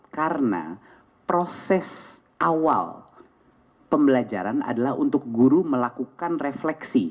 karena proses awal pembelajaran adalah untuk guru melakukan refleksi